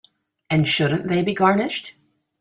And shouldn't they be garnished?